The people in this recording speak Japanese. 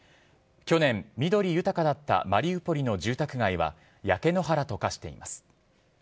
去年、緑豊かだったマリウポリの住宅街は焼け野原と化しています。